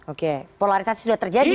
oke polarisasi sudah terjadi